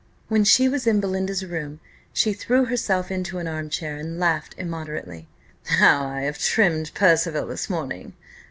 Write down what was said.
When she was in Belinda's room, she threw herself into an arm chair, and laughed immoderately. "How I have trimmed Percival this morning!"